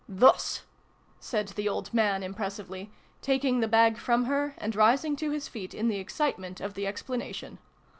" Thus !" said the old man impressively, taking the bag from her, and rising to his feet in the excitement of the explanation.